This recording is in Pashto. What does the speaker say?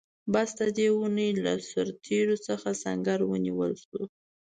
بس د دې اوونۍ له سرتېرو څخه سنګر ونیول شو.